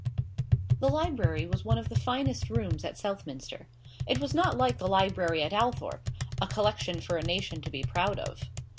The library was one of the finest rooms at Southminster. It was not like the library at Althorpe a collection for a nation to be proud of.